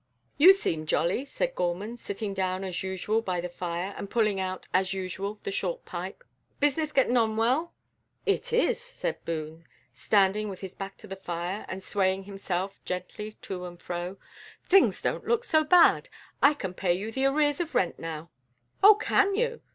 "You seem jolly," said Gorman, sitting down, as usual, by the fire, and pulling out, as usual, the short pipe. "Business gittin' on well?" "It is," said Boone, standing with his back to the fire, and swaying himself gently to and fro; "things don't look so bad. I can pay you the arrears of rent now." "Oh, can you?"